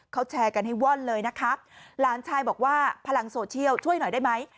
เขาแชร์กันให้ว่อนเลยนะคะหลานชายบอกว่าพลังโซเชียลช่วยหน่อยได้ไหม